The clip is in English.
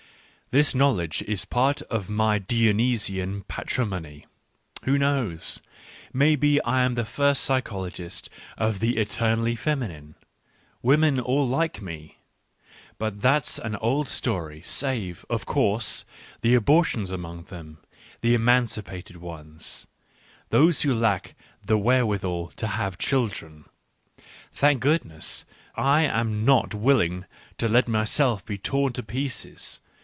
This knowledge is part of my Dionysian patrimony. Who knows ? may be I am the first psychologist of the eternally femi nine. Women all like m e. ... But that's an old story : save, of course, the abortions among them, the emancipated ones, those who lack the where withal to have children. Thank goodness I am not willing to let myself be torn to pieces